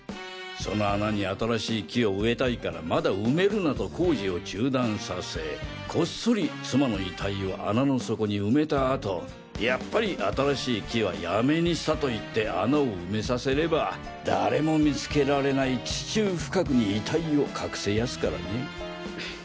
その穴に新しい木を植えたいからまだ埋めるなと工事を中断させこっそり妻の遺体を穴の底に埋めたあとやっぱり新しい木はやめにしたと言って穴を埋めさせれば誰も見つけられない地中深くに遺体を隠せやすからねえ。